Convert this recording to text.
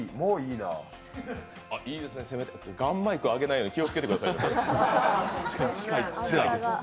いいですね、ガンマイク上げないように気をつけてくださいね。